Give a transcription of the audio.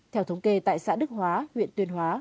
theo thống kê tại xã đức hóa huyện tuyên hóa